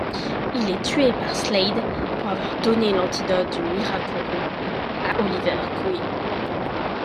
Il est tué par Slade pour avoir donné l'antidote du Mirakuru à Oliver Queen.